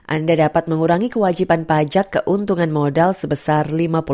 anda dapat mengurangi kewajiban pajak keuntungan modal sebesar lima puluh